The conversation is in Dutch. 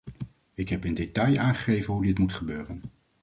Ik heb in detail aangegeven hoe dit moet gebeuren.